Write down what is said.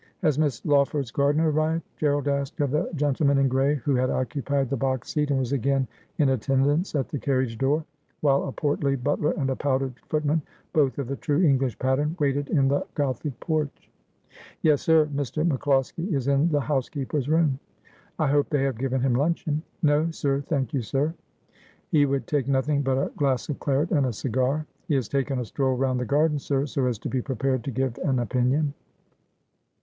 Has Miss Lawford's gardener arrived V Gerald asked of the gentleman in gray, who had occupied the box seat, and was again in attendance at the carriage door, while a portly butler and a powdered footman, both of the true English pattern, waited in the Gothic porch. ' Yes, sir ; Mr. MacCloskie is in the housekeeper's room.' ' I hope they have given him luncheon.' ' No, sir, thank you, sir. He would take nothing but a glass of claret and a cigar. He has taken a stroll round the gardens, sir, so as to be prepared to give an opinion.'